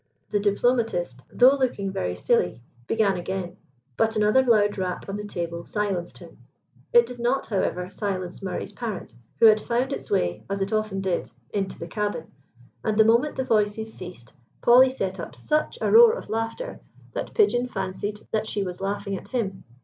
The diplomatist, though looking very silly, began again, but another loud rap on the table silenced him. It did not, however, silence Murray's parrot, who had found its way, as it often did, into the cabin, and the moment the voices ceased Polly set up such a roar of laughter, that Pigeon fancied that she was laughing at him.